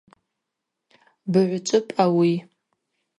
Быгӏвчӏвыпӏ ауи.